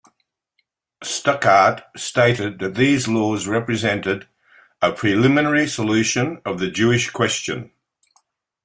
Stuckart stated that these laws represented "a preliminary solution of the Jewish question".